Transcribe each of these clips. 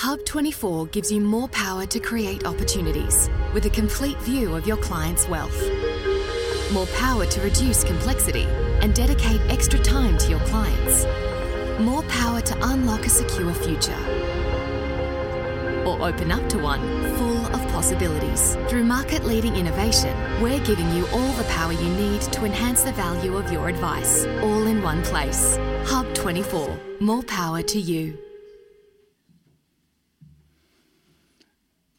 HUB24 gives you more power to create opportunities, with a complete view of your clients' wealth. More power to reduce complexity and dedicate extra time to your clients. More power to unlock a secure future. Or open up to one full of possibilities. Through market-leading innovation, we're giving you all the power you need to enhance the value of your advice, all in one place. HUB24, more power to you.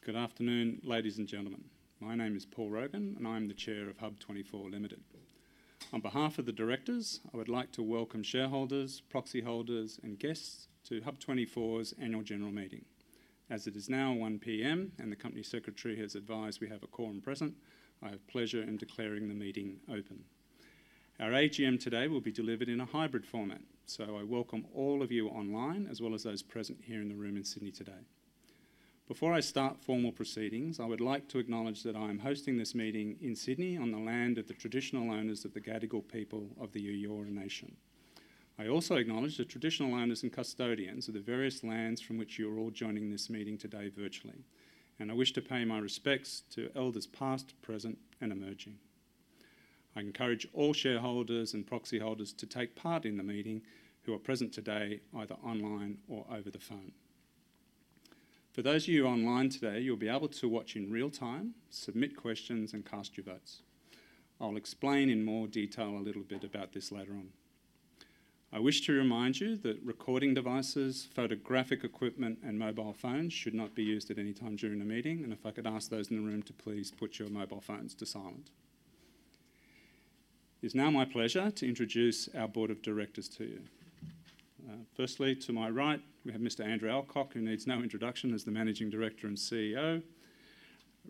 Good afternoon, ladies and gentlemen. My name is Paul Rogan, and I am the Chair of HUB24 Limited. On behalf of the directors, I would like to welcome shareholders, proxy holders, and guests to HUB24's Annual General Meeting. As it is now 1:00 P.M., and the company secretary has advised we have a quorum present, I have pleasure in declaring the meeting open. Our AGM today will be delivered in a hybrid format, so I welcome all of you online, as well as those present here in the room in Sydney today. Before I start formal proceedings, I would like to acknowledge that I am hosting this meeting in Sydney on the land of the traditional owners of the Gadigal people of the Eora Nation. I also acknowledge the traditional owners and custodians of the various lands from which you are all joining this meeting today virtually, and I wish to pay my respects to elders past, present, and emerging. I encourage all shareholders and proxy holders to take part in the meeting who are present today either online or over the phone. For those of you online today, you'll be able to watch in real time, submit questions, and cast your votes. I'll explain in more detail a little bit about this later on. I wish to remind you that recording devices, photographic equipment, and mobile phones should not be used at any time during the meeting, and if I could ask those in the room to please put your mobile phones to silent. It is now my pleasure to introduce our board of directors to you. Firstly, to my right, we have Mr. Andrew Alcock, who needs no introduction as the Managing Director and CEO.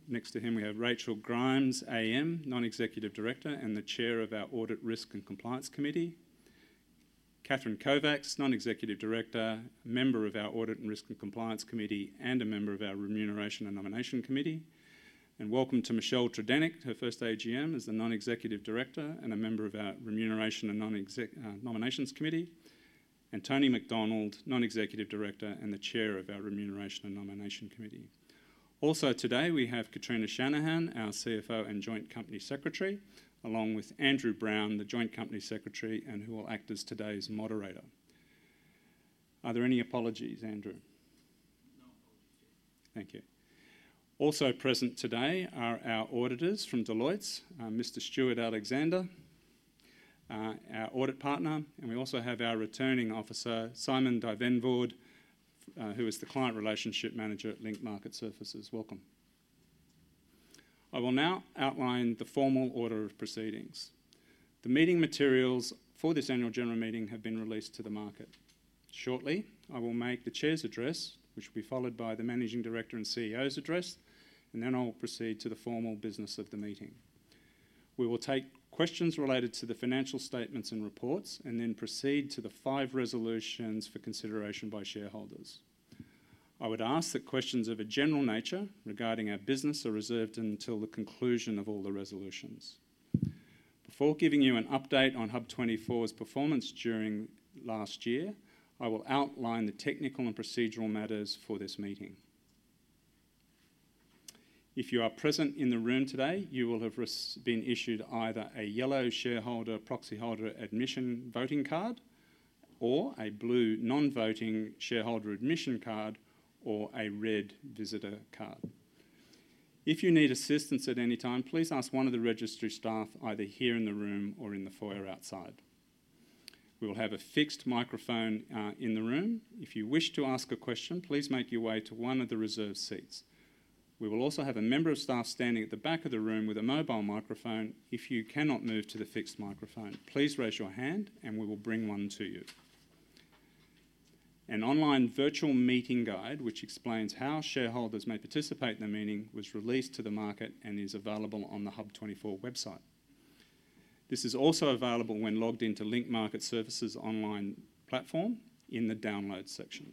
Next to him, we have Rachel Grimes, AM, Non-Executive Director and the Chair of our Audit, Risk and Compliance Committee. Catherine Kovacs, Non-Executive Director, a member of our Audit and Risk and Compliance Committee and a member of our Remuneration and Nomination Committee. Welcome to Michelle Tredenick, her first AGM as the Non-Executive Director and a member of our Remuneration and Nominations Committee. Tony McDonald, Non-Executive Director and the Chair of our Remuneration and Nomination Committee. Also today, we have Kitrina Shanahan, our CFO and Joint Company Secretary, along with Andrew Brown, the Joint Company Secretary and who will act as today's moderator. Are there any apologies, Andrew? No apologies, Chairman. Thank you. Also present today are our auditors from Deloitte, Mr. Stuart Alexander, our audit partner, and we also have our returning officer, Simon Davenport, who is the client relationship manager at Link Market Services. Welcome. I will now outline the formal order of proceedings. The meeting materials for this Annual General Meeting have been released to the market. Shortly, I will make the Chair's address, which will be followed by the Managing Director and CEO's address, and then I will proceed to the formal business of the meeting. We will take questions related to the financial statements and reports and then proceed to the five resolutions for consideration by shareholders. I would ask that questions of a general nature regarding our business are reserved until the conclusion of all the resolutions. Before giving you an update on HUB24's performance during last year, I will outline the technical and procedural matters for this meeting. If you are present in the room today, you will have been issued either a yellow shareholder proxy holder admission voting card or a blue non-voting shareholder admission card or a red visitor card. If you need assistance at any time, please ask one of the registry staff either here in the room or in the foyer outside. We will have a fixed microphone in the room. If you wish to ask a question, please make your way to one of the reserved seats. We will also have a member of staff standing at the back of the room with a mobile microphone. If you cannot move to the fixed microphone, please raise your hand and we will bring one to you. An online virtual meeting guide which explains how shareholders may participate in the meeting was released to the market and is available on the HUB24 website. This is also available when logged into Link Market Services online platform in the download section.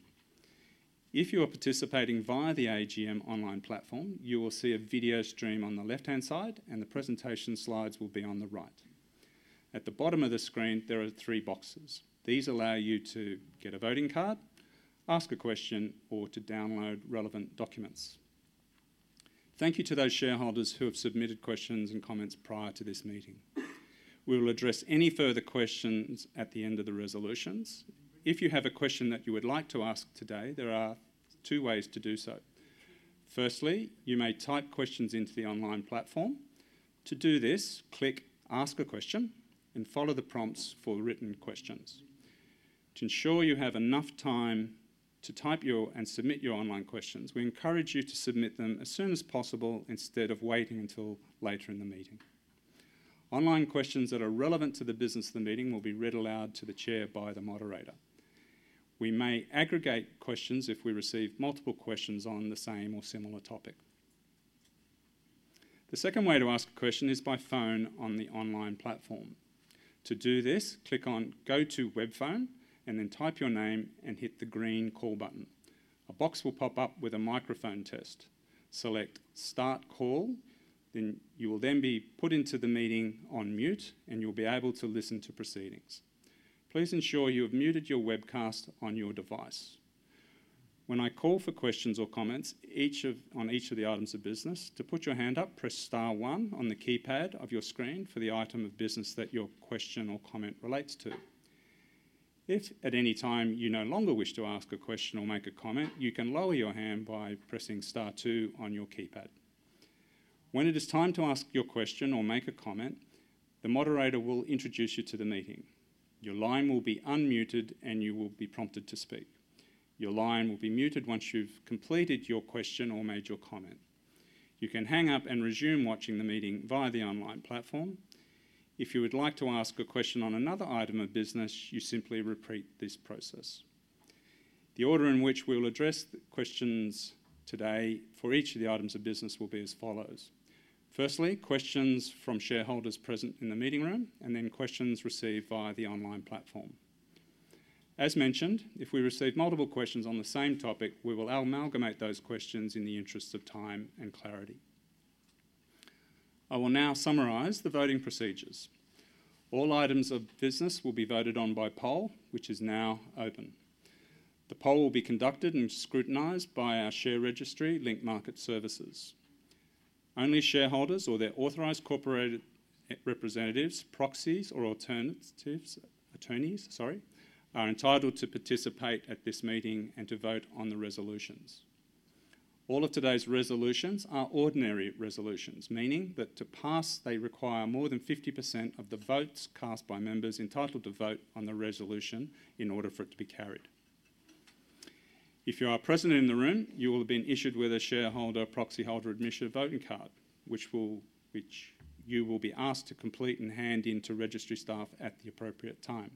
If you are participating via the AGM online platform, you will see a video stream on the left-hand side and the presentation slides will be on the right. At the bottom of the screen, there are three boxes. These allow you to get a voting card, ask a question, or to download relevant documents. Thank you to those shareholders who have submitted questions and comments prior to this meeting. We will address any further questions at the end of the resolutions. If you have a question that you would like to ask today, there are two ways to do so. Firstly, you may type questions into the online platform. To do this, click Ask a Question and follow the prompts for written questions. To ensure you have enough time to type and submit your online questions, we encourage you to submit them as soon as possible instead of waiting until later in the meeting. Online questions that are relevant to the business of the meeting will be read aloud to the Chair by the moderator. We may aggregate questions if we receive multiple questions on the same or similar topic. The second way to ask a question is by phone on the online platform. To do this, click on Go to Web Phone and then type your name and hit the green call button. A box will pop up with a microphone test. Select Start Call, then you will be put into the meeting on mute and you'll be able to listen to proceedings. Please ensure you have muted your webcast on your device. When I call for questions or comments on each of the items of business, to put your hand up, press Star 1 on the keypad of your screen for the item of business that your question or comment relates to. If at any time you no longer wish to ask a question or make a comment, you can lower your hand by pressing Star 2 on your keypad. When it is time to ask your question or make a comment, the moderator will introduce you to the meeting. Your line will be unmuted and you will be prompted to speak. Your line will be muted once you've completed your question or made your comment. You can hang up and resume watching the meeting via the online platform. If you would like to ask a question on another item of business, you simply repeat this process. The order in which we will address questions today for each of the items of business will be as follows. Firstly, questions from shareholders present in the meeting room and then questions received via the online platform. As mentioned, if we receive multiple questions on the same topic, we will amalgamate those questions in the interest of time and clarity. I will now summarize the voting procedures. All items of business will be voted on by poll, which is now open. The poll will be conducted and scrutinized by our share registry, Link Market Services. Only shareholders or their authorized corporate representatives, proxies, or alternative attorneys, sorry, are entitled to participate at this meeting and to vote on the resolutions. All of today's resolutions are ordinary resolutions, meaning that to pass, they require more than 50% of the votes cast by members entitled to vote on the resolution in order for it to be carried. If you are present in the room, you will have been issued with a shareholder proxy holder admission voting card, which you will be asked to complete and hand into registry staff at the appropriate time.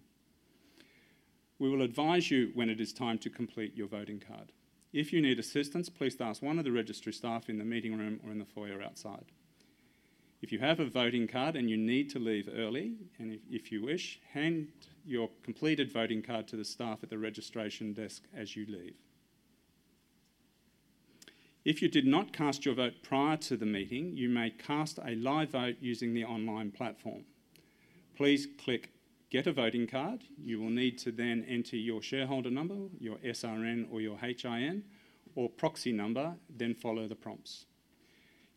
We will advise you when it is time to complete your voting card. If you need assistance, please ask one of the registry staff in the meeting room or in the foyer outside. If you have a voting card and you need to leave early, and if you wish, hand your completed voting card to the staff at the registration desk as you leave. If you did not cast your vote prior to the meeting, you may cast a live vote using the online platform. Please click Get a Voting Card. You will need to then enter your shareholder number, your SRN or your HIN, or proxy number, then follow the prompts.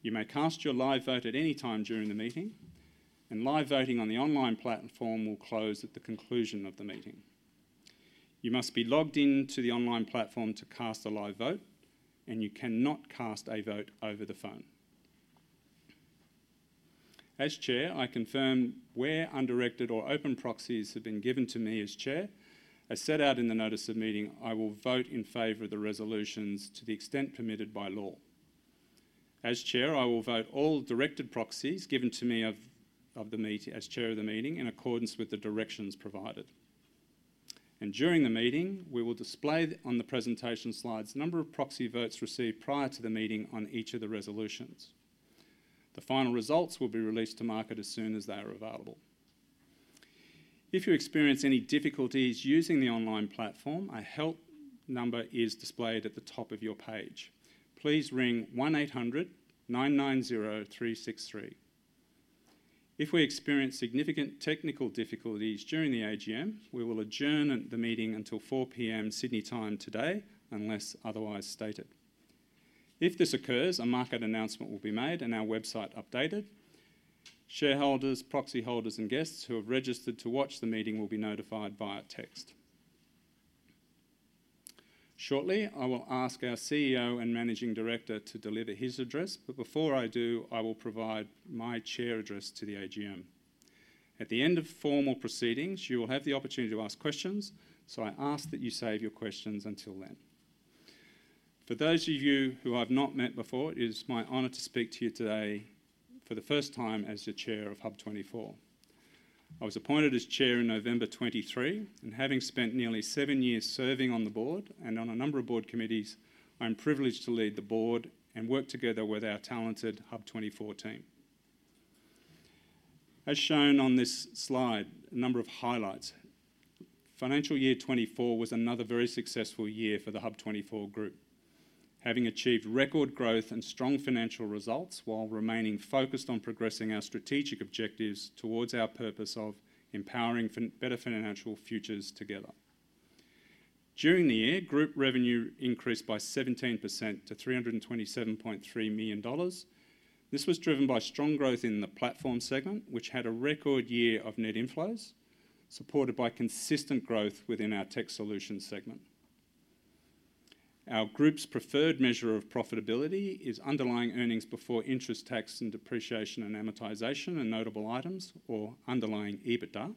You may cast your live vote at any time during the meeting, and live voting on the online platform will close at the conclusion of the meeting. You must be logged into the online platform to cast a live vote, and you cannot cast a vote over the phone. As Chair, I confirm where undirected or open proxies have been given to me as Chair. As set out in the notice of meeting, I will vote in favor of the resolutions to the extent permitted by law. As Chair, I will vote all directed proxies given to me as Chair of the meeting in accordance with the directions provided, and during the meeting, we will display on the presentation slides the number of proxy votes received prior to the meeting on each of the resolutions. The final results will be released to market as soon as they are available. If you experience any difficulties using the online platform, a help number is displayed at the top of your page. Please ring 1-800-990-363. If we experience significant technical difficulties during the AGM, we will adjourn the meeting until 4:00 P.M. Sydney time today unless otherwise stated. If this occurs, a market announcement will be made and our website updated. Shareholders, proxy holders, and guests who have registered to watch the meeting will be notified via text. Shortly, I will ask our CEO and Managing Director to deliver his address, but before I do, I will provide my Chair's address to the AGM. At the end of formal proceedings, you will have the opportunity to ask questions, so I ask that you save your questions until then. For those of you who I've not met before, it is my honor to speak to you today for the first time as the Chair of HUB24. I was appointed as Chair in November 2023, and having spent nearly seven years serving on the board and on a number of board committees, I am privileged to lead the board and work together with our talented HUB24 team. As shown on this slide, a number of highlights. Financial year 2024 was another very successful year for the HUB24 group, having achieved record growth and strong financial results while remaining focused on progressing our strategic objectives towards our purpose of empowering better financial futures together. During the year, group revenue increased by 17% to 327.3 million dollars. This was driven by strong growth in the platform segment, which had a record year of net inflows, supported by consistent growth within our tech solution segment. Our group's preferred measure of profitability is underlying earnings before interest tax and depreciation and amortization and notable items or underlying EBITDA,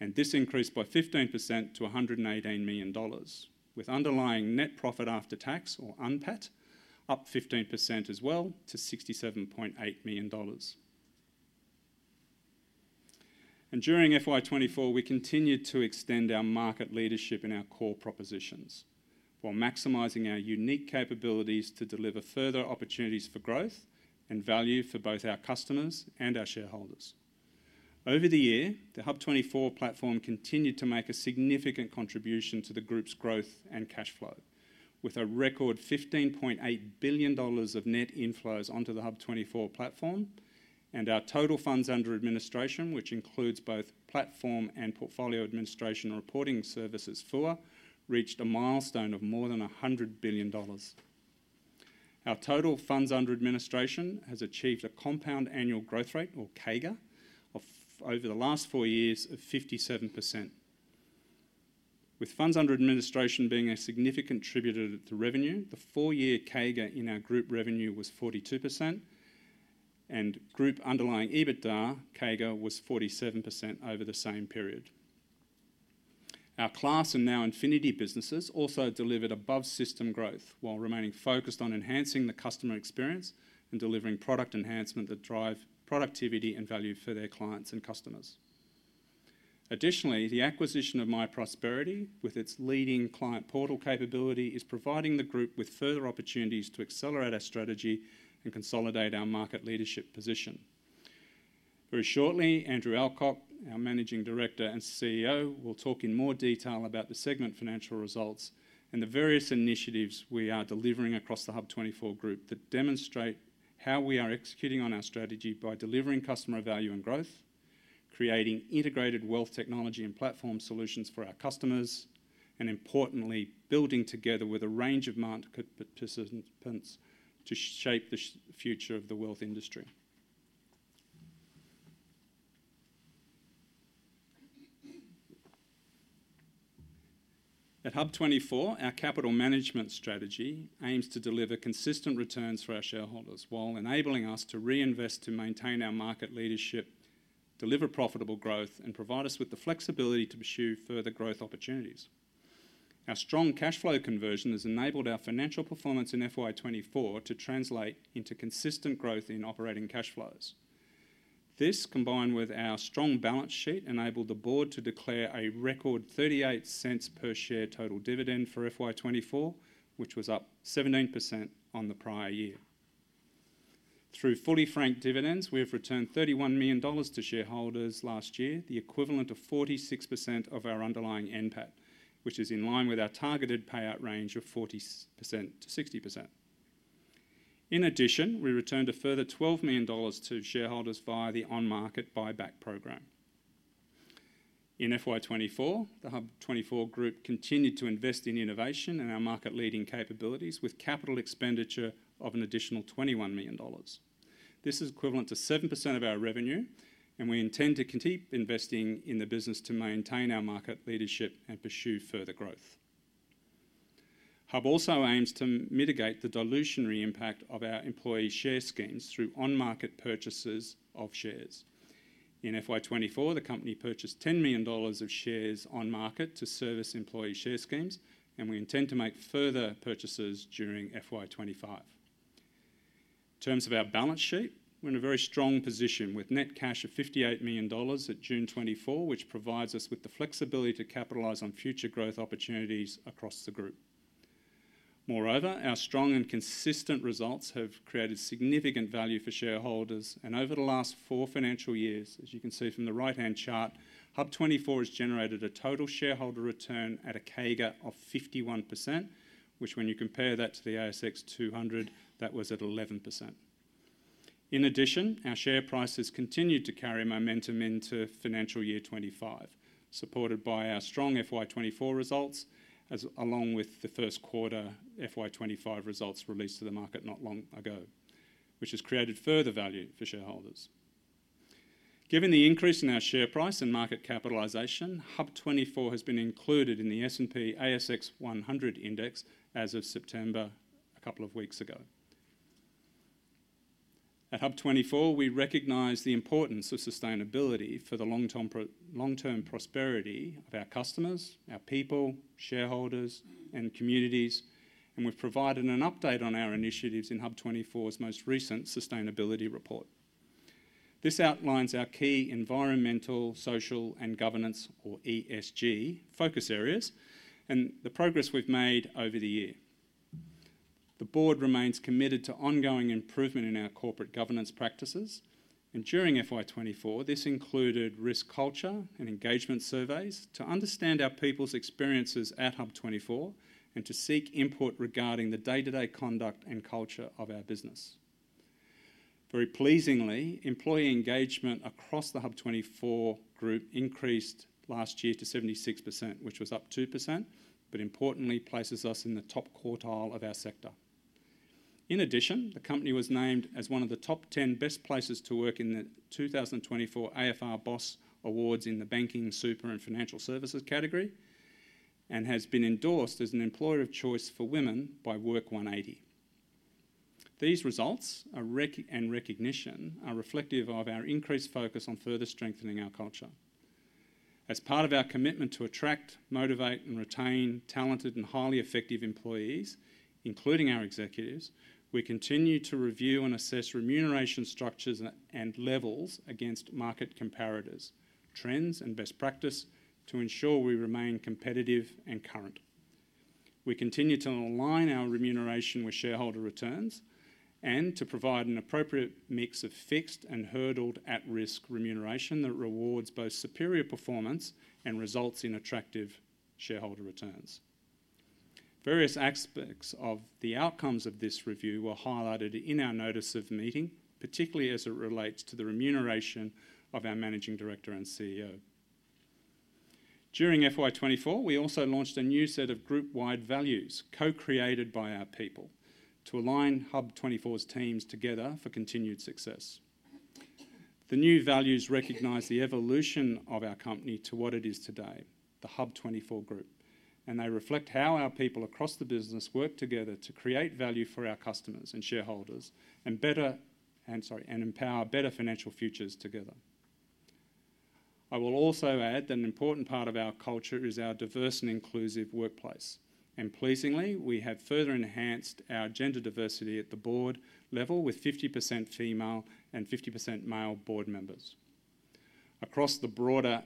and this increased by 15% to 118 million dollars, with underlying net profit after tax or UNPAT up 15% as well to 67.8 million dollars. During FY24, we continued to extend our market leadership and our core propositions while maximizing our unique capabilities to deliver further opportunities for growth and value for both our customers and our shareholders. Over the year, the HUB24 platform continued to make a significant contribution to the group's growth and cash flow, with a record 15.8 billion dollars of net inflows onto the HUB24 platform, and our total funds under administration, which includes both platform and portfolio administration reporting services FUA, reached a milestone of more than 100 billion dollars. Our total funds under administration has achieved a compound annual growth rate, or CAGR, over the last four years of 57%. With funds under administration being a significant contributor to revenue, the four-year CAGR in our group revenue was 42%, and group underlying EBITDA CAGR was 47% over the same period. Our Class and NowInfinity businesses also delivered above system growth while remaining focused on enhancing the customer experience and delivering product enhancement that drive productivity and value for their clients and customers. Additionally, the acquisition of MyProsperity, with its leading client portal capability, is providing the group with further opportunities to accelerate our strategy and consolidate our market leadership position. Very shortly, Andrew Alcock, our Managing Director and CEO, will talk in more detail about the segment financial results and the various initiatives we are delivering across the HUB24 group that demonstrate how we are executing on our strategy by delivering customer value and growth, creating integrated wealth technology and platform solutions for our customers, and importantly, building together with a range of market participants to shape the future of the wealth industry. At HUB24, our capital management strategy aims to deliver consistent returns for our shareholders while enabling us to reinvest to maintain our market leadership, deliver profitable growth, and provide us with the flexibility to pursue further growth opportunities. Our strong cash flow conversion has enabled our financial performance in FY24 to translate into consistent growth in operating cash flows. This, combined with our strong balance sheet, enabled the board to declare a record 0.38 per share total dividend for FY24, which was up 17% on the prior year. Through fully franked dividends, we have returned 31 million dollars to shareholders last year, the equivalent of 46% of our underlying NPAT, which is in line with our targeted payout range of 40%-60%. In addition, we returned a further 12 million dollars to shareholders via the on-market buyback program. In FY24, the HUB24 group continued to invest in innovation and our market-leading capabilities with capital expenditure of an additional 21 million dollars. This is equivalent to 7% of our revenue, and we intend to continue investing in the business to maintain our market leadership and pursue further growth. HUB also aims to mitigate the dilutive impact of our employee share schemes through on-market purchases of shares. In FY24, the company purchased 10 million dollars of shares on market to service employee share schemes, and we intend to make further purchases during FY25. In terms of our balance sheet, we're in a very strong position with net cash of 58 million dollars at June 2024, which provides us with the flexibility to capitalize on future growth opportunities across the group. Moreover, our strong and consistent results have created significant value for shareholders, and over the last four financial years, as you can see from the right-hand chart, HUB24 has generated a total shareholder return at a CAGR of 51%, which when you compare that to the ASX 200, that was at 11%. In addition, our share prices continued to carry momentum into financial year 2025, supported by our strong FY24 results, along with the first quarter FY25 results released to the market not long ago, which has created further value for shareholders. Given the increase in our share price and market capitalization, HUB24 has been included in the S&P/ASX 100 index as of September a couple of weeks ago. At HUB24, we recognize the importance of sustainability for the long-term prosperity of our customers, our people, shareholders, and communities, and we've provided an update on our initiatives in HUB24's most recent sustainability report. This outlines our key environmental, social, and governance, or ESG, focus areas and the progress we've made over the year. The board remains committed to ongoing improvement in our corporate governance practices, and during FY24, this included risk culture and engagement surveys to understand our people's experiences at HUB24 and to seek input regarding the day-to-day conduct and culture of our business. Very pleasingly, employee engagement across the HUB24 group increased last year to 76%, which was up 2%, but importantly, places us in the top quartile of our sector. In addition, the company was named as one of the top 10 Best Places to Work in the 2024 AFR BOSS Awards in the banking, super, and financial services category and has been endorsed as an Employer of Choice for Women by Work180. These results and recognition are reflective of our increased focus on further strengthening our culture. As part of our commitment to attract, motivate, and retain talented and highly effective employees, including our executives, we continue to review and assess remuneration structures and levels against market comparators, trends, and best practice to ensure we remain competitive and current. We continue to align our remuneration with shareholder returns and to provide an appropriate mix of fixed and hurdled at-risk remuneration that rewards both superior performance and results in attractive shareholder returns. Various aspects of the outcomes of this review were highlighted in our notice of meeting, particularly as it relates to the remuneration of our Managing Director and CEO. During FY24, we also launched a new set of group-wide values co-created by our people to align HUB24's teams together for continued success. The new values recognize the evolution of our company to what it is today, the HUB24 group, and they reflect how our people across the business work together to create value for our customers and shareholders and empower better financial futures together. I will also add that an important part of our culture is our diverse and inclusive workplace, and pleasingly, we have further enhanced our gender diversity at the board level with 50% female and 50% male board members. Across the broader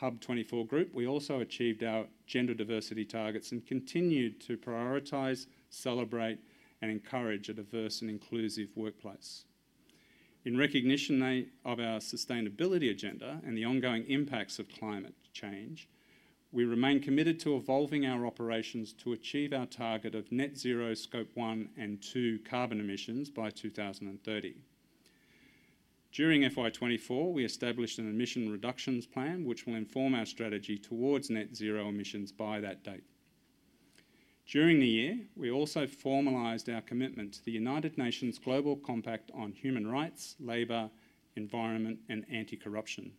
HUB24 group, we also achieved our gender diversity targets and continue to prioritize, celebrate, and encourage a diverse and inclusive workplace. In recognition of our sustainability agenda and the ongoing impacts of climate change, we remain committed to evolving our operations to achieve our target of net zero, Scope 1 and 2 carbon emissions by 2030. During FY24, we established an emission reductions plan, which will inform our strategy towards net zero emissions by that date. During the year, we also formalized our commitment to the United Nations Global Compact on Human Rights, Labor, Environment, and Anti-Corruption.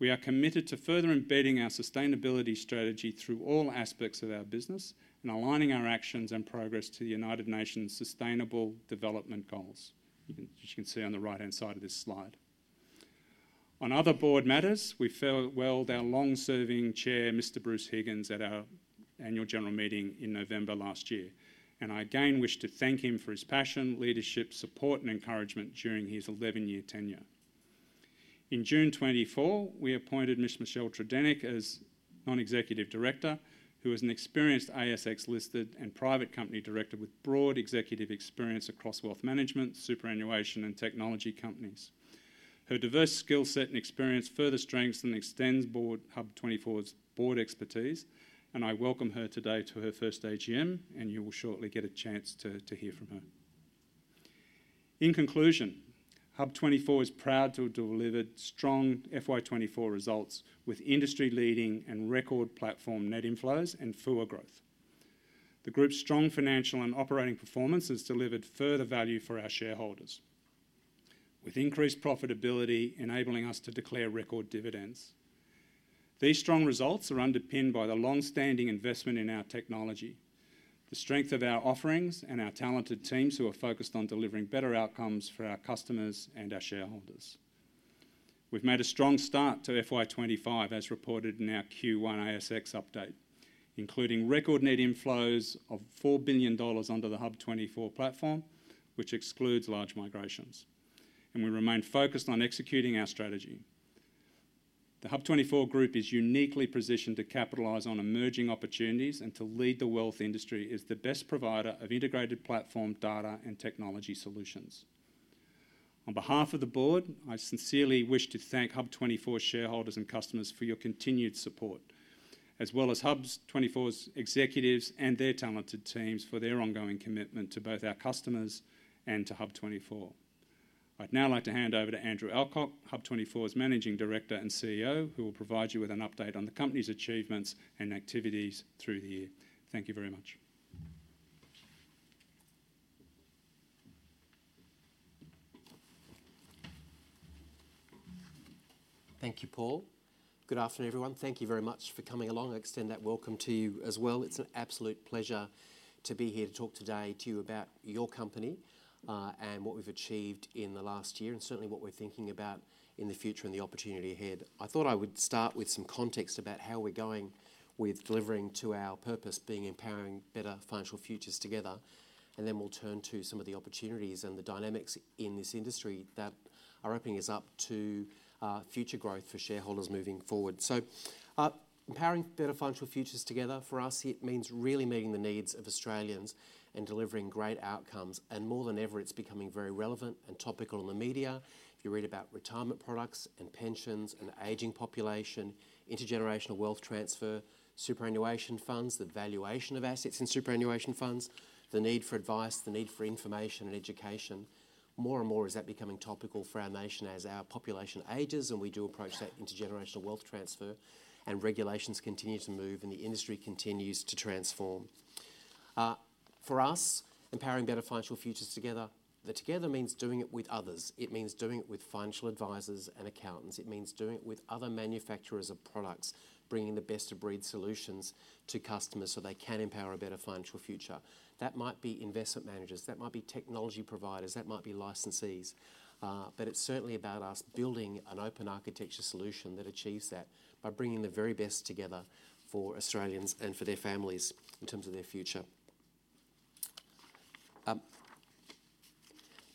We are committed to further embedding our sustainability strategy through all aspects of our business and aligning our actions and progress to the United Nations Sustainable Development Goals, which you can see on the right-hand side of this slide. On other board matters, we farewelled our long-serving Chair, Mr. Bruce Higgins, at our Annual General Meeting in November last year, and I again wish to thank him for his passion, leadership, support, and encouragement during his 11-year tenure. In June 2024, we appointed Ms. Michelle Tredenick as Non-Executive Director, who is an experienced ASX-listed and private company director with broad executive experience across wealth management, superannuation, and technology companies. Her diverse skill set and experience further strengthen and extends HUB24's board expertise, and I welcome her today to her first AGM, and you will shortly get a chance to hear from her. In conclusion, HUB24 is proud to have delivered strong FY24 results with industry-leading and record platform net inflows and FUA growth. The group's strong financial and operating performance has delivered further value for our shareholders, with increased profitability enabling us to declare record dividends. These strong results are underpinned by the long-standing investment in our technology, the strength of our offerings, and our talented teams who are focused on delivering better outcomes for our customers and our shareholders. We've made a strong start to FY25, as reported in our Q1 ASX update, including record net inflows of 4 billion dollars under the HUB24 platform, which excludes large migrations, and we remain focused on executing our strategy. The HUB24 group is uniquely positioned to capitalize on emerging opportunities and to lead the wealth industry as the best provider of integrated platform data and technology solutions. On behalf of the board, I sincerely wish to thank HUB24's shareholders and customers for your continued support, as well as HUB24's executives and their talented teams for their ongoing commitment to both our customers and to HUB24. I'd now like to hand over to Andrew Alcock, HUB24's Managing Director and CEO, who will provide you with an update on the company's achievements and activities through the year. Thank you very much. Thank you, Paul. Good afternoon, everyone. Thank you very much for coming along. I extend that welcome to you as well. It's an absolute pleasure to be here to talk today to you about your company and what we've achieved in the last year, and certainly what we're thinking about in the future and the opportunity ahead. I thought I would start with some context about how we're going with delivering to our purpose being empowering better financial futures together, and then we'll turn to some of the opportunities and the dynamics in this industry that are opening us up to future growth for shareholders moving forward. Empowering better financial futures together, for us, it means really meeting the needs of Australians and delivering great outcomes. And more than ever, it's becoming very relevant and topical in the media. If you read about retirement products and pensions and the aging population, intergenerational wealth transfer, superannuation funds, the valuation of assets in superannuation funds, the need for advice, the need for information and education, more and more is that becoming topical for our nation as our population ages and we do approach that intergenerational wealth transfer and regulations continue to move and the industry continues to transform. For us, empowering better financial futures together, the together means doing it with others. It means doing it with financial advisors and accountants. It means doing it with other manufacturers of products, bringing the best of breed solutions to customers so they can empower a better financial future. That might be investment managers. That might be technology providers. That might be licensees. But it's certainly about us building an open architecture solution that achieves that by bringing the very best together for Australians and for their families in terms of their future.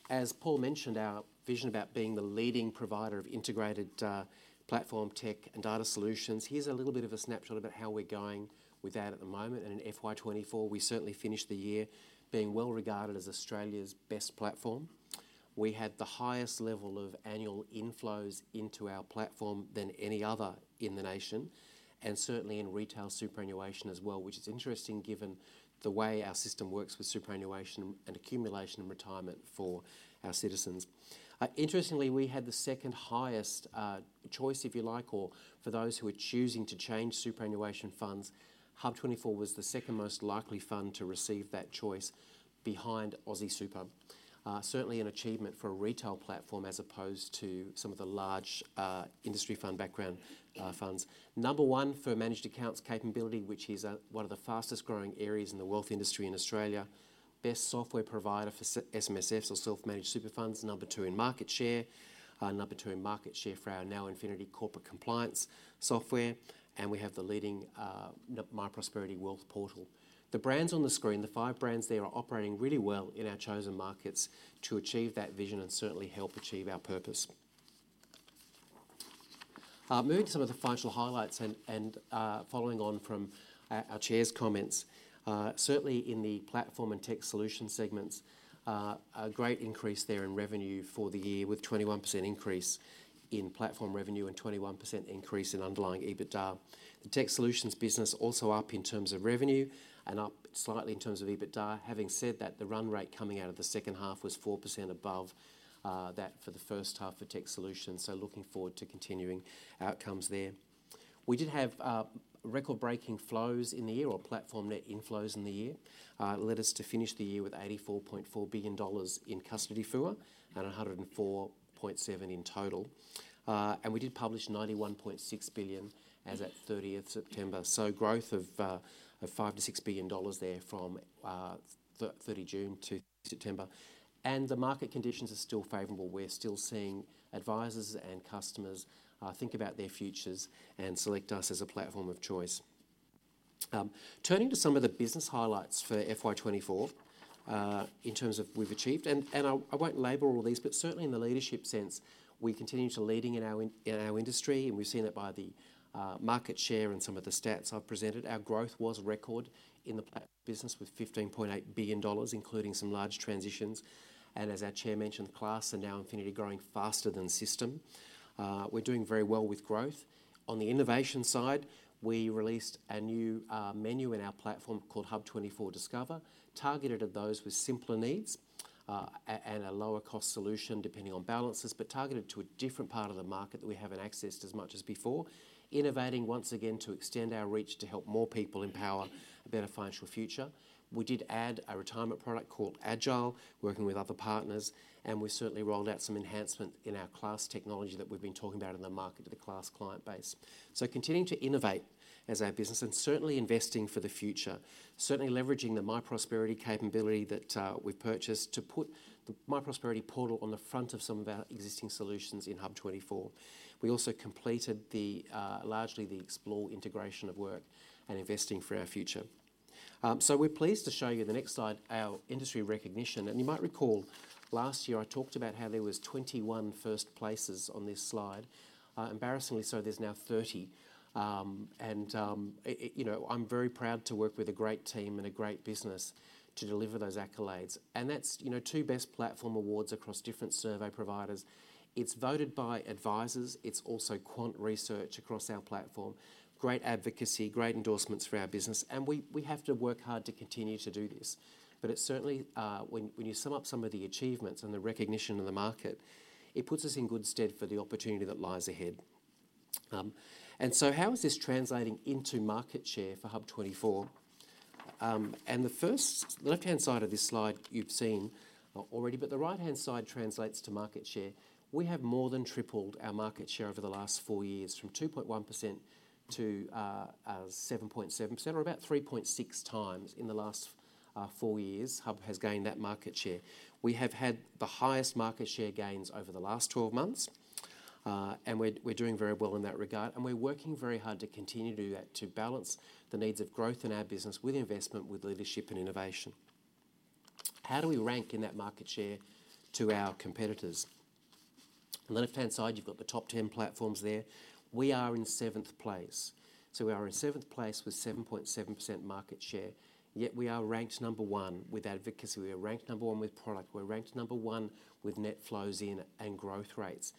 As Paul mentioned, our vision about being the leading provider of integrated platform tech and data solutions. Here's a little bit of a snapshot about how we're going with that at the moment. And in FY24, we certainly finished the year being well regarded as Australia's best platform. We had the highest level of annual inflows into our platform than any other in the nation, and certainly in retail superannuation as well, which is interesting given the way our system works with superannuation and accumulation and retirement for our citizens. Interestingly, we had the second highest choice, if you like, or for those who are choosing to change superannuation funds, HUB24 was the second most likely fund to receive that choice behind Aussie Super. Certainly an achievement for a retail platform as opposed to some of the large industry fund background funds. Number one for managed accounts capability, which is one of the fastest growing areas in the wealth industry in Australia. Best software provider for SMSFs or self-managed super funds. Number two in market share. Number two in market share for our NowInfinity Corporate Compliance software. And we have the leading MyProsperity Wealth Portal. The brands on the screen, the five brands there are operating really well in our chosen markets to achieve that vision and certainly help achieve our purpose. Moving to some of the financial highlights and following on from our Chair's comments, certainly in the platform and tech solution segments, a great increase there in revenue for the year with 21% increase in platform revenue and 21% increase in underlying EBITDA. The tech solutions business also up in terms of revenue and up slightly in terms of EBITDA, having said that the run rate coming out of the second half was 4% above that for the first half for tech solutions. So looking forward to continuing outcomes there. We did have record-breaking flows in the year or platform net inflows in the year. It led us to finish the year with 84.4 billion dollars in custody FUA and 104.7 billion in total. And we did publish 91.6 billion as of 30 September, so growth of 5 billion-6 billion dollars there from 30 June to September. The market conditions are still favorable. We're still seeing advisors and customers think about their futures and select us as a platform of choice. Turning to some of the business highlights for FY24 in terms of we've achieved, and I won't label all these, but certainly in the leadership sense, we continue to lead in our industry, and we've seen it by the market share and some of the stats I've presented. Our growth was record in the business with 15.8 billion dollars, including some large transitions. As our Chair mentioned, Class and NowInfinity growing faster than system. We're doing very well with growth. On the innovation side, we released a new menu in our platform called HUB24 Discover, targeted at those with simpler needs and a lower-cost solution depending on balances, but targeted to a different part of the market that we haven't accessed as much as before, innovating once again to extend our reach to help more people empower a better financial future. We did add a retirement product called AGILE, working with other partners, and we certainly rolled out some enhancements in our Class technology that we've been talking about in the market to the Class client base, so continuing to innovate as our business and certainly investing for the future, certainly leveraging the MyProsperity capability that we've purchased to put the MyProsperity Portal on the front of some of our existing solutions in HUB24. We also completed largely the Xplore integration workflow and investing for our future. We're pleased to show you the next slide, our industry recognition. And you might recall last year I talked about how there were 21 first places on this slide. Embarrassingly, so there's now 30. And I'm very proud to work with a great team and a great business to deliver those accolades. And that's two best platform awards across different survey providers. It's voted by advisors. It's also quant research across our platform. Great advocacy, great endorsements for our business. And we have to work hard to continue to do this. But certainly, when you sum up some of the achievements and the recognition in the market, it puts us in good stead for the opportunity that lies ahead. And so how is this translating into market share for HUB24? And the left-hand side of this slide you've seen already, but the right-hand side translates to market share. We have more than tripled our market share over the last four years from 2.1% to 7.7% or about 3.6 times in the last four years. HUB has gained that market share. We have had the highest market share gains over the last 12 months, and we're doing very well in that regard, and we're working very hard to continue to do that to balance the needs of growth in our business with investment, with leadership and innovation. How do we rank in that market share to our competitors? On the left-hand side, you've got the top 10 platforms there. We are in seventh place. So we are in seventh place with 7.7% market share. Yet we are ranked number one with advocacy. We are ranked number one with product. We're ranked number one with net flows in and growth rates.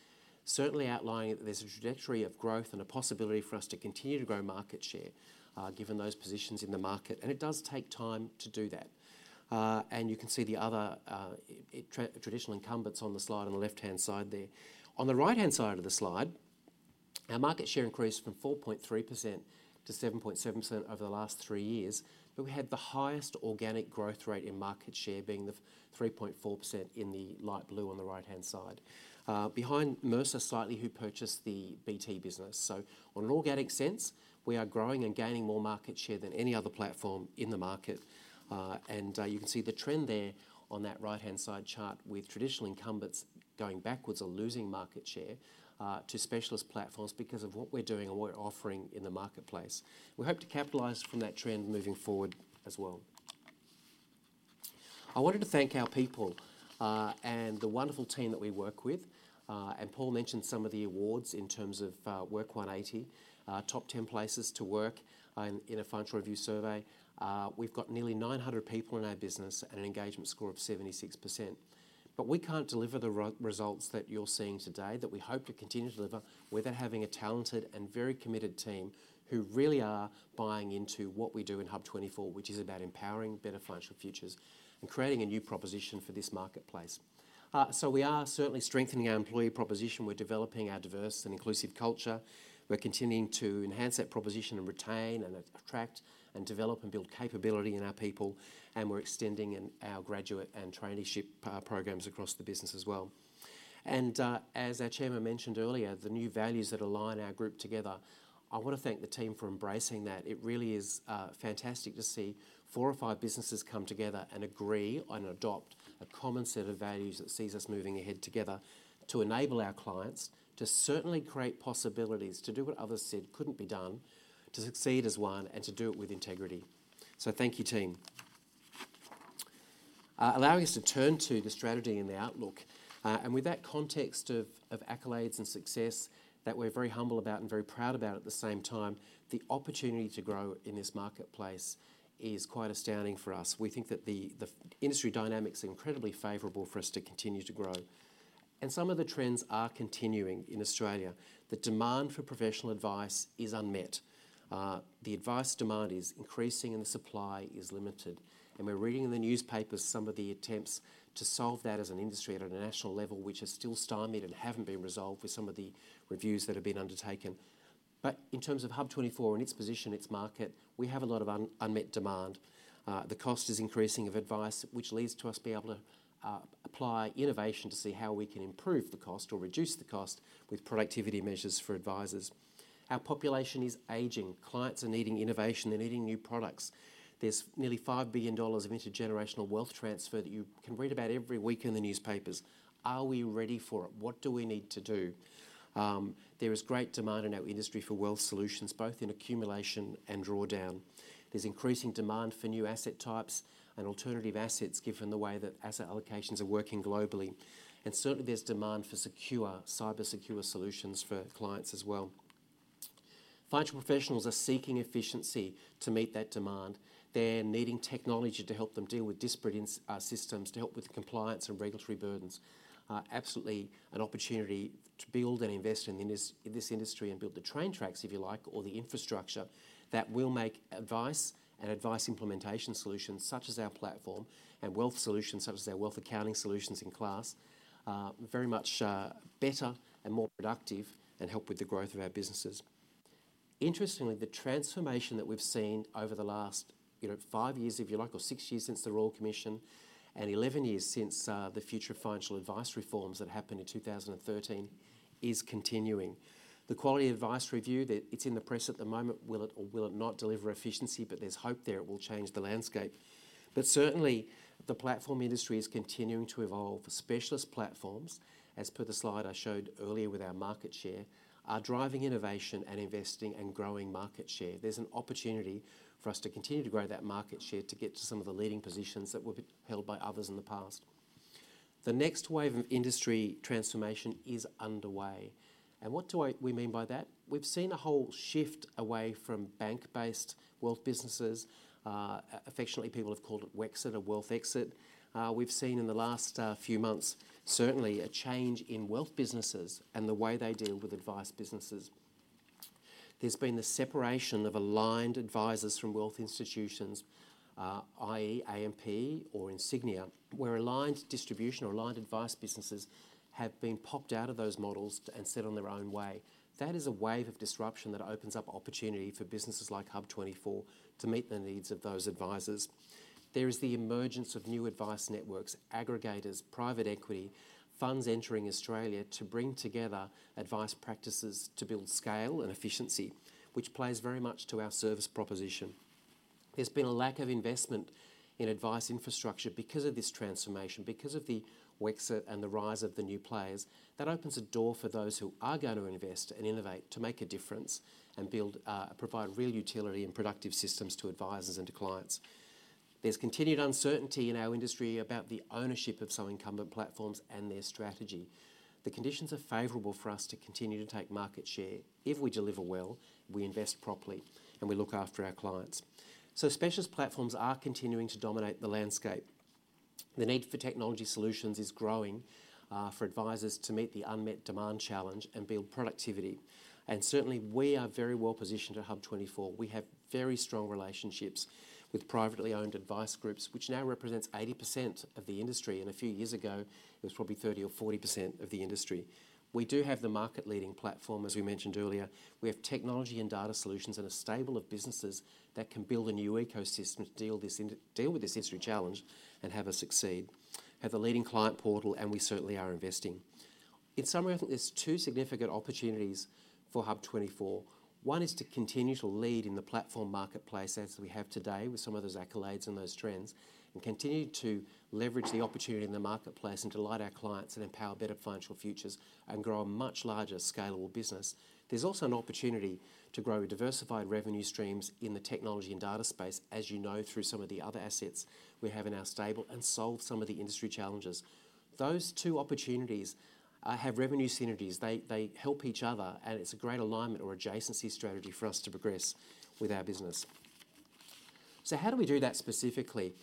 Certainly outlining that there's a trajectory of growth and a possibility for us to continue to grow market share given those positions in the market. And it does take time to do that. And you can see the other traditional incumbents on the slide on the left-hand side there. On the right-hand side of the slide, our market share increased from 4.3% to 7.7% over the last three years, but we had the highest organic growth rate in market share being the 3.4% in the light blue on the right-hand side, behind Mercer slightly, who purchased the BT business. So on an organic sense, we are growing and gaining more market share than any other platform in the market. And you can see the trend there on that right-hand side chart with traditional incumbents going backwards or losing market share to specialist platforms because of what we're doing and what we're offering in the marketplace. We hope to capitalize from that trend moving forward as well. I wanted to thank our people and the wonderful team that we work with. And Paul mentioned some of the awards in terms of Work180, top 10 places to work in a Financial Review survey. We've got nearly 900 people in our business and an engagement score of 76%. But we can't deliver the results that you're seeing today that we hope to continue to deliver without having a talented and very committed team who really are buying into what we do in HUB24, which is about empowering better financial futures and creating a new proposition for this marketplace. So we are certainly strengthening our employee proposition. We're developing our diverse and inclusive culture. We're continuing to enhance that proposition and retain and attract and develop and build capability in our people. And we're extending our graduate and traineeship programs across the business as well. And as our chairman mentioned earlier, the new values that align our group together, I want to thank the team for embracing that. It really is fantastic to see four or five businesses come together and agree on and adopt a common set of values that sees us moving ahead together to enable our clients to certainly create possibilities, to do what others said couldn't be done, to succeed as one, and to do it with integrity. So thank you, team, allowing us to turn to the strategy and the outlook. And with that context of accolades and success that we're very humble about and very proud about at the same time, the opportunity to grow in this marketplace is quite astounding for us. We think that the industry dynamics are incredibly favorable for us to continue to grow. And some of the trends are continuing in Australia. The demand for professional advice is unmet. The advice demand is increasing and the supply is limited. And we're reading in the newspapers some of the attempts to solve that as an industry at a national level, which are still stymied and haven't been resolved with some of the reviews that have been undertaken. But in terms of HUB24 and its position, its market, we have a lot of unmet demand. The cost is increasing of advice, which leads to us being able to apply innovation to see how we can improve the cost or reduce the cost with productivity measures for advisors. Our population is aging. Clients are needing innovation. They're needing new products. There's nearly 5 billion dollars of intergenerational wealth transfer that you can read about every week in the newspapers. Are we ready for it? What do we need to do? There is great demand in our industry for wealth solutions, both in accumulation and drawdown. There's increasing demand for new asset types and alternative assets given the way that asset allocations are working globally. And certainly, there's demand for secure, cybersecure solutions for clients as well. Financial professionals are seeking efficiency to meet that demand. They're needing technology to help them deal with disparate systems, to help with compliance and regulatory burdens. Absolutely an opportunity to build and invest in this industry and build the train tracks, if you like, or the infrastructure that will make advice and advice implementation solutions such as our platform and wealth solutions such as our wealth accounting solutions in Class very much better and more productive and help with the growth of our businesses. Interestingly, the transformation that we've seen over the last five years, if you like, or six years since the Royal Commission and 11 years since the Future of Financial Advice reforms that happened in 2013 is continuing. The Quality of Advice Review, it's in the press at the moment. Will it or will it not deliver efficiency, but there's hope there it will change the landscape. But certainly, the platform industry is continuing to evolve. Specialist platforms, as per the slide I showed earlier with our market share, are driving innovation and investing and growing market share. There's an opportunity for us to continue to grow that market share to get to some of the leading positions that were held by others in the past. The next wave of industry transformation is underway. And what do we mean by that? We've seen a whole shift away from bank-based wealth businesses. Affectionately, people have called it Wexit or Wealth Exit. We've seen in the last few months, certainly a change in wealth businesses and the way they deal with advice businesses. There's been the separation of aligned advisors from wealth institutions, i.e., AMP or Insignia, where aligned distribution or aligned advice businesses have been popped out of those models and set on their own way. That is a wave of disruption that opens up opportunity for businesses like HUB24 to meet the needs of those advisors. There is the emergence of new advice networks, aggregators, private equity, funds entering Australia to bring together advice practices to build scale and efficiency, which plays very much to our service proposition. There's been a lack of investment in advice infrastructure because of this transformation, because of the Wexit and the rise of the new players. That opens a door for those who are going to invest and innovate to make a difference and provide real utility and productive systems to advisors and to clients. There's continued uncertainty in our industry about the ownership of some incumbent platforms and their strategy. The conditions are favorable for us to continue to take market share if we deliver well, we invest properly, and we look after our clients. Specialist platforms are continuing to dominate the landscape. The need for technology solutions is growing for advisors to meet the unmet demand challenge and build productivity. Certainly, we are very well positioned at HUB24. We have very strong relationships with privately owned advice groups, which now represents 80% of the industry. A few years ago, it was probably 30 or 40% of the industry. We do have the market-leading platform, as we mentioned earlier. We have technology and data solutions and a stable of businesses that can build a new ecosystem to deal with this industry challenge and have us succeed, have a leading client portal, and we certainly are investing. In summary, I think there's two significant opportunities for HUB24. One is to continue to lead in the platform marketplace as we have today with some of those accolades and those trends and continue to leverage the opportunity in the marketplace and delight our clients and empower better financial futures and grow a much larger scalable business. There's also an opportunity to grow diversified revenue streams in the technology and data space, as you know, through some of the other assets we have in our stable and solve some of the industry challenges. Those two opportunities have revenue synergies. They help each other, and it's a great alignment or adjacency strategy for us to progress with our business. So how do we do that specifically?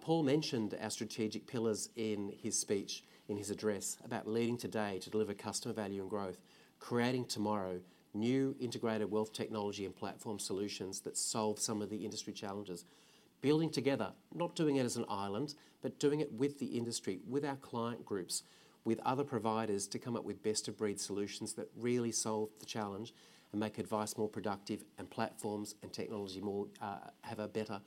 Paul mentioned our strategic pillars in his speech, in his address about leading today to deliver customer value and growth, creating tomorrow new integrated wealth technology and platform solutions that solve some of the industry challenges, building together, not doing it as an island, but doing it with the industry, with our client groups, with other providers to come up with best-of-breed solutions that really solve the challenge and make advice more productive and platforms and technology have a better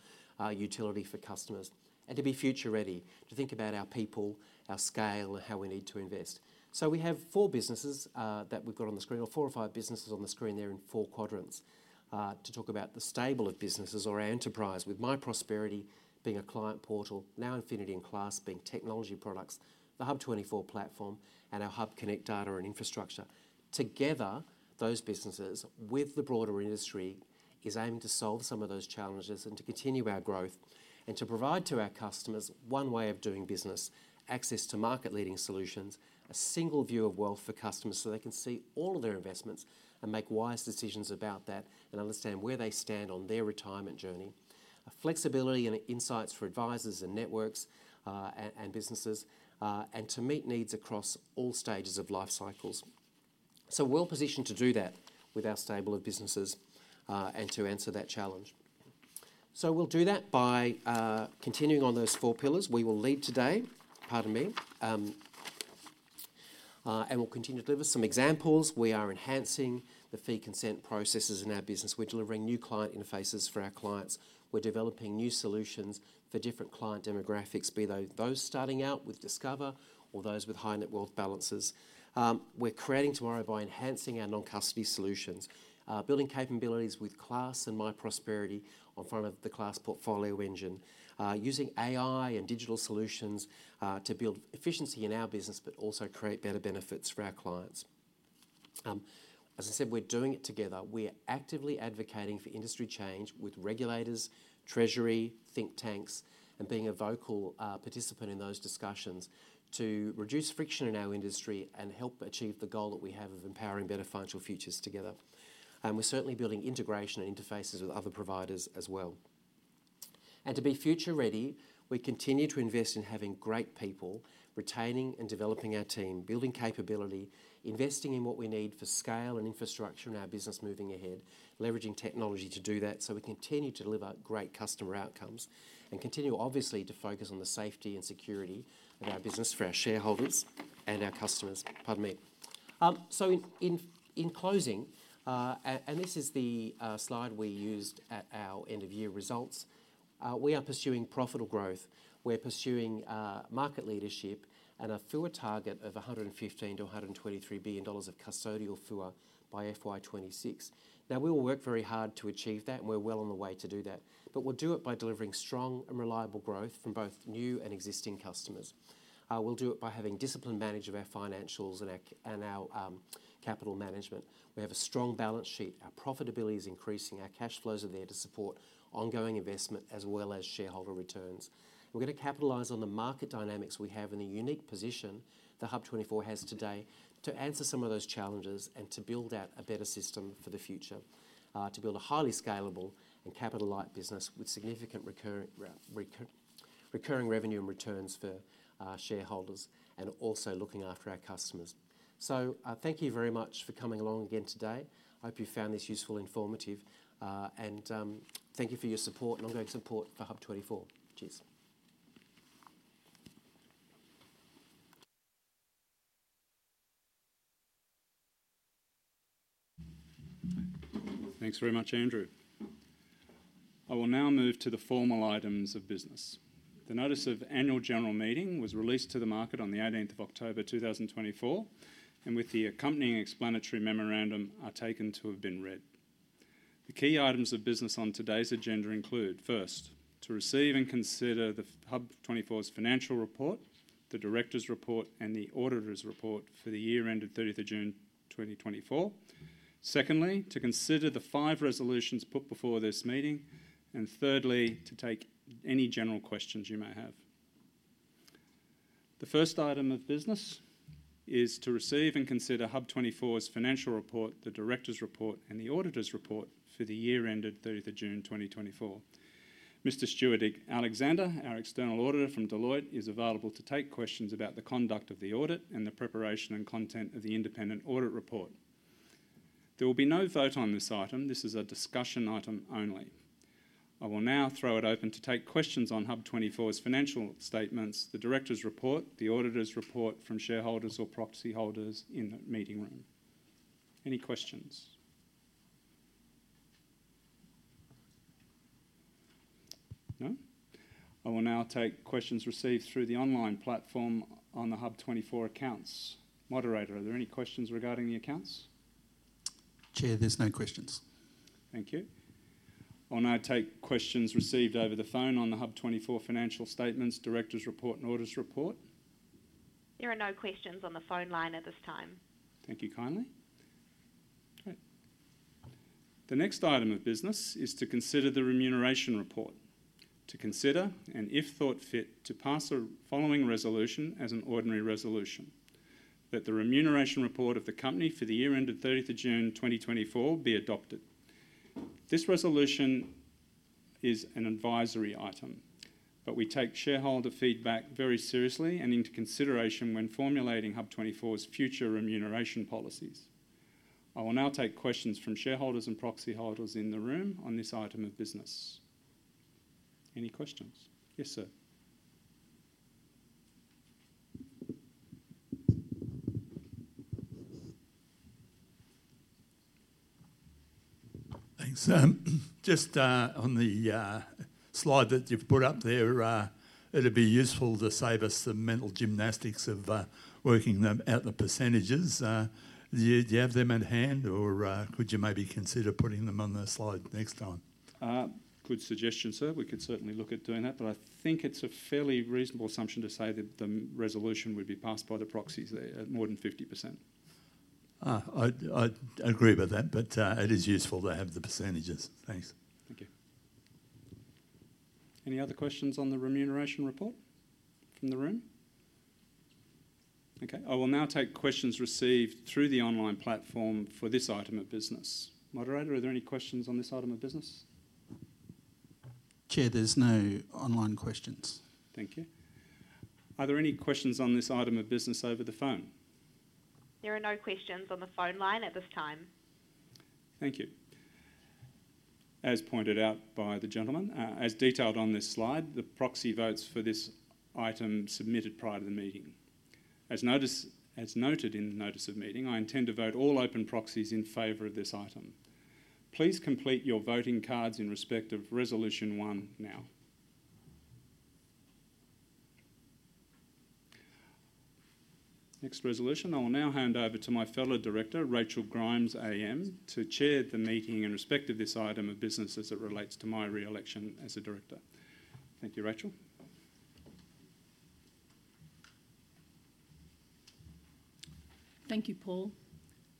utility for customers, and to be future-ready, to think about our people, our scale, and how we need to invest. So we have four businesses that we've got on the screen, or four or five businesses on the screen there in four quadrants to talk about the stable of businesses or our enterprise, with MyProsperity being a client portal, NowInfinity and Class being technology products, the HUB24 platform, and our HUBconnect data and infrastructure. Together, those businesses with the broader industry are aiming to solve some of those challenges and to continue our growth and to provide to our customers one way of doing business, access to market-leading solutions, a single view of wealth for customers so they can see all of their investments and make wise decisions about that and understand where they stand on their retirement journey, flexibility and insights for advisors and networks and businesses, and to meet needs across all stages of life cycles. So we're well positioned to do that with our stable of businesses and to answer that challenge, so we'll do that by continuing on those four pillars. We will lead today. Pardon me, and we'll continue to deliver some examples. We are enhancing the fee consent processes in our business. We're delivering new client interfaces for our clients. We're developing new solutions for different client demographics, be those starting out with Discover or those with high net wealth balances. We're creating tomorrow by enhancing our non-custody solutions, building capabilities with Class and MyProsperity on front of the Class portfolio engine, using AI and digital solutions to build efficiency in our business, but also create better benefits for our clients. As I said, we're doing it together. We're actively advocating for industry change with regulators, Treasury, think tanks, and being a vocal participant in those discussions to reduce friction in our industry and help achieve the goal that we have of empowering better financial futures together, and we're certainly building integration and interfaces with other providers as well, and to be future-ready, we continue to invest in having great people, retaining and developing our team, building capability, investing in what we need for scale and infrastructure in our business moving ahead, leveraging technology to do that so we continue to deliver great customer outcomes and continue, obviously, to focus on the safety and security of our business for our shareholders and our customers. Pardon me, so in closing, and this is the slide we used at our end-of-year results, we are pursuing profitable growth. We're pursuing market leadership and a FUA target of 115 billion-123 billion dollars of custodial FUA by FY26. Now, we will work very hard to achieve that, and we're well on the way to do that. But we'll do it by delivering strong and reliable growth from both new and existing customers. We'll do it by having disciplined management of our financials and our capital management. We have a strong balance sheet. Our profitability is increasing. Our cash flows are there to support ongoing investment as well as shareholder returns. We're going to capitalize on the market dynamics we have in the unique position that HUB24 has today to answer some of those challenges and to build out a better system for the future, to build a highly scalable and capital-light business with significant recurring revenue and returns for shareholders and also looking after our customers. Thank you very much for coming along again today. I hope you found this useful and informative. Thank you for your support and ongoing support for HUB24. Cheers. Thanks very much, Andrew. I will now move to the formal items of business. The notice of Annual General Meeting was released to the market on the 18th of October, 2024, and with the accompanying explanatory memorandum are taken to have been read. The key items of business on today's agenda include, first, to receive and consider HUB24's financial report, the Directors' report, and the auditor's report for the year ended 30th of June, 2024. Secondly, to consider the five resolutions put before this meeting. Thirdly, to take any general questions you may have. The first item of business is to receive and consider HUB24's financial report, the Directors' report, and the auditor's report for the year ended 30th of June, 2024. Mr. Stuart Alexander, our external auditor from Deloitte, is available to take questions about the conduct of the audit and the preparation and content of the independent audit report. There will be no vote on this item. This is a discussion item only. I will now throw it open to take questions on HUB24's financial statements, the Directors' report, the auditor's report from shareholders or proxy holders in the meeting room. Any questions? No? I will now take questions received through the online platform on the HUB24 accounts. Moderator, are there any questions regarding the accounts? Chair, there's no questions. Thank you. I'll now take questions received over the phone on the HUB24 financial statements, Directors' report, and auditor's report. There are no questions on the phone line at this time. Thank you kindly. The next item of business is to consider the remuneration report. To consider and, if thought fit, to pass the following resolution as an ordinary resolution: that the remuneration report of the company for the year ended 30th of June, 2024, be adopted. This resolution is an advisory item, but we take shareholder feedback very seriously and into consideration when formulating HUB24's future remuneration policies. I will now take questions from shareholders and proxy holders in the room on this item of business. Any questions? Yes, sir. Thanks. Just on the slide that you've put up there, it'd be useful to save us the mental gymnastics of working out the percentages. Do you have them at hand, or could you maybe consider putting them on the slide next time? Good suggestion, sir. We could certainly look at doing that, but I think it's a fairly reasonable assumption to say that the resolution would be passed by the proxies there at more than 50%. I agree with that, but it is useful to have the percentages. Thanks. Thank you. Any other questions on the remuneration report from the room? Okay. I will now take questions received through the online platform for this item of business. Moderator, are there any questions on this item of business? Chair, there's no online questions. Thank you. Are there any questions on this item of business over the phone? There are no questions on the phone line at this time. Thank you. As pointed out by the gentleman, as detailed on this slide, the proxy votes for this item submitted prior to the meeting. As noted in the notice of meeting, I intend to vote all open proxies in favor of this item. Please complete your voting cards in respect of resolution one now. Next resolution. I will now hand over to my fellow director, Rachel Grimes, AM, to chair the meeting in respect of this item of business as it relates to my re-election as a director. Thank you, Rachel. Thank you, Paul.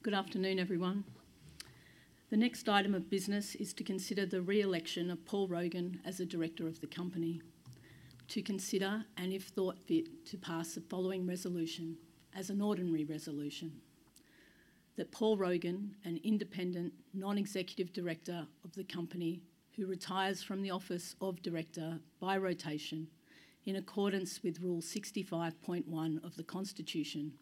Good afternoon, everyone. The next item of business is to consider the re-election of Paul Rogan as a director of the company. To consider and, if thought fit, to pass the following resolution as an ordinary resolution: that Paul Rogan, an independent non-executive director of the company who retires from the office of director by rotation in accordance with Rule 65.1 of the Constitution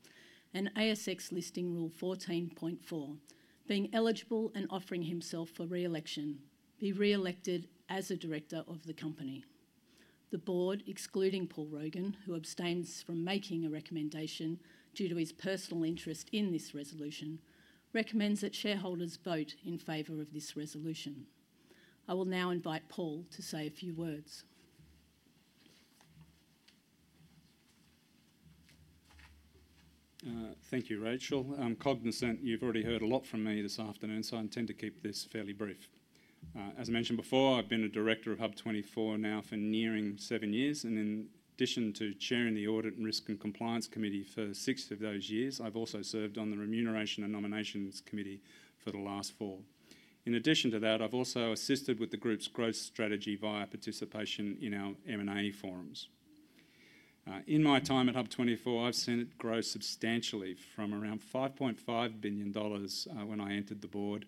and ASX Listing Rule 14.4, being eligible and offering himself for re-election, be re-elected as a director of the company. The board, excluding Paul Rogan, who abstains from making a recommendation due to his personal interest in this resolution, recommends that shareholders vote in favor of this resolution. I will now invite Paul to say a few words. Thank you, Rachel. I'm cognizant you've already heard a lot from me this afternoon, so I intend to keep this fairly brief. As mentioned before, I've been a director of HUB24 now for nearing seven years. In addition to chairing the Audit and Risk and Compliance Committee for six of those years, I've also served on the Remuneration and Nominations Committee for the last four. In addition to that, I've also assisted with the group's growth strategy via participation in our M&A forums. In my time at HUB24, I've seen it grow substantially from around 5.5 billion dollars when I entered the board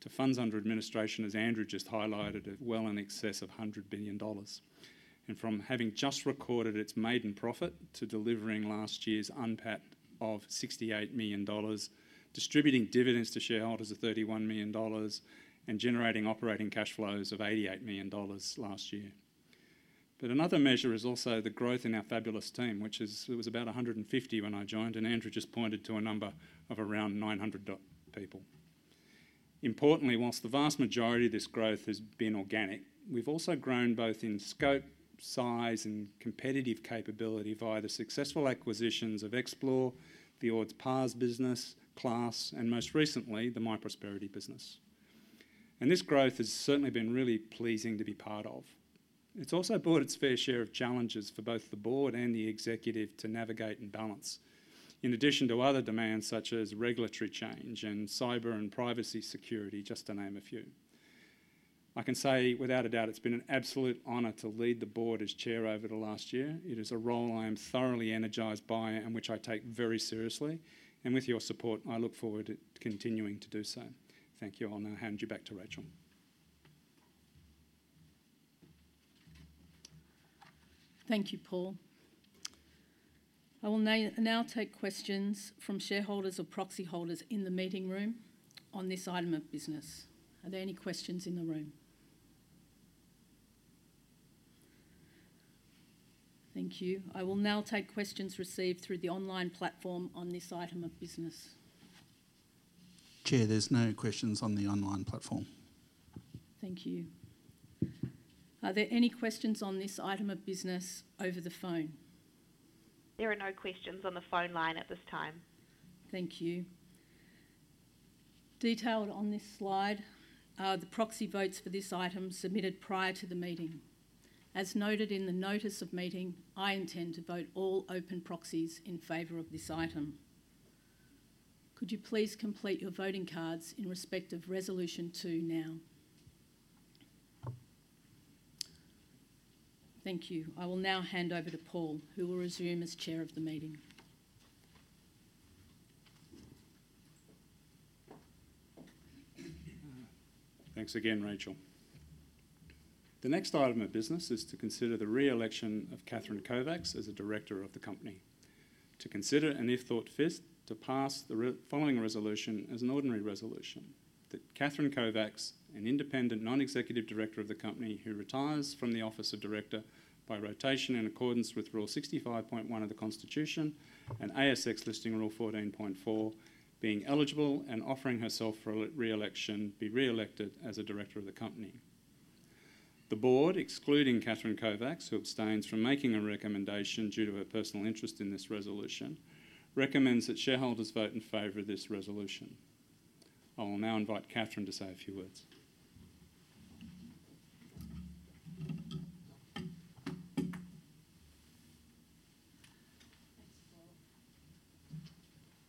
to funds under administration, as Andrew just highlighted, well in excess of 100 billion dollars. And from having just recorded its maiden profit to delivering last year's UNPAT of 68 million dollars, distributing dividends to shareholders of 31 million dollars, and generating operating cash flows of 88 million dollars last year. But another measure is also the growth in our fabulous team, which was about 150 when I joined, and Andrew just pointed to a number of around 900 people. Importantly, while the vast majority of this growth has been organic, we've also grown both in scope, size, and competitive capability via the successful acquisitions of Xplore, the PARS business, Class, and most recently, the MyProsperity business. And this growth has certainly been really pleasing to be part of. It's also brought its fair share of challenges for both the board and the executive to navigate and balance, in addition to other demands such as regulatory change and cyber and privacy security, just to name a few. I can say without a doubt it's been an absolute honor to lead the board as chair over the last year. It is a role I am thoroughly energized by and which I take very seriously. And with your support, I look forward to continuing to do so. Thank you. I'll now hand you back to Rachel. Thank you, Paul. I will now take questions from shareholders or proxy holders in the meeting room on this item of business. Are there any questions in the room? Thank you. I will now take questions received through the online platform on this item of business. Chair, there's no questions on the online platform. Thank you. Are there any questions on this item of business over the phone? There are no questions on the phone line at this time. Thank you. Detailed on this slide, the proxy votes for this item submitted prior to the meeting. As noted in the notice of meeting, I intend to vote all open proxies in favor of this item. Could you please complete your voting cards in respect of resolution two now? Thank you. I will now hand over to Paul, who will resume as chair of the meeting. Thanks again, Rachel. The next item of business is to consider the re-election of Catherine Kovacs as a director of the company. To consider and, if thought fit, to pass the following resolution as an ordinary resolution: that Catherine Kovacs, an independent non-executive director of the company who retires from the Office of Director by rotation in accordance with Rule 65.1 of the Constitution and ASX Listing Rule 14.4, being eligible and offering herself for re-election, be re-elected as a director of the company. The board, excluding Catherine Kovacs, who abstains from making a recommendation due to her personal interest in this resolution, recommends that shareholders vote in favor of this resolution. I will now invite Catherine to say a few words. Thanks, Paul.